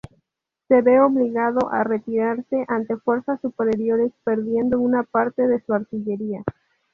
Se ve obligado a retirarse ante fuerzas superiores, perdiendo una parte de su artillería.